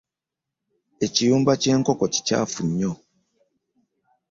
Ekiyumba ky'enkoko kikyaafu nnyo.